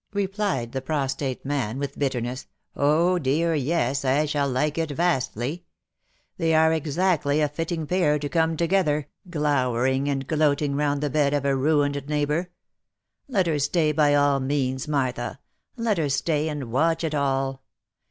replied the prostrate man, with bitterness, " Oh! dear yes, I shall like it vastly ! They are exactly a fitting pair to come to gether, glowering and gloating round the bed of a ruined neighbour. Let her stay, by all means, Martha, let her stay and watch it all.